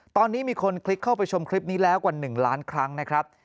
ตอนนี้มีคนคลิกเข้าไปชมคลิปนี้แล้วกว่า๑ล้านครั้งนะครับ